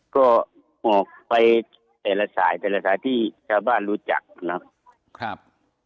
ก็ออกไปแต่ละสายแต่ละสายที่ชาวบ้านรู้จักนะครับ